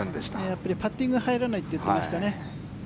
やっぱりパッティングが入らないって言ってましたね。